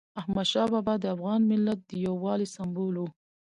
احمدشاه بابا د افغان ملت د یووالي سمبول و.